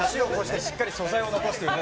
しっかり素材を残すというね。